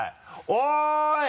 おい！